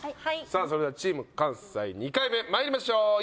さあそれではチーム関西２回目まいりましょう。